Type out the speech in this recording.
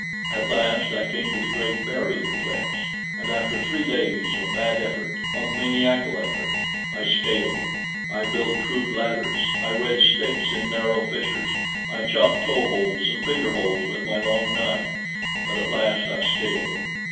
At last I came to the great barrier cliffs; and after three days of mad effort of maniacal effort I scaled them. I built crude ladders; I wedged sticks in narrow fissures; I chopped toe holds and finger holds with my long knife; but at last I scaled them.